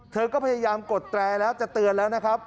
เธอก็พยายามกดแตรแล้วจะเตือนแล้วนะครับ